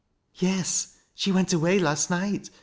"" Yes. She went away last night.